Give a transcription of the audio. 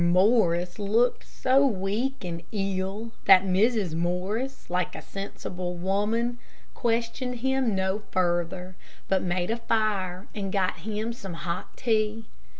Morris looked so weak and ill that Mrs. Morris, like a sensible woman, questioned him no further, but made a fire and got him some hot tea.